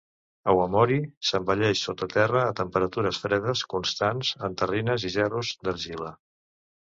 "Awamori" s'envelleix sota terra a temperatures fredes constants en terrines i gerros d'argila.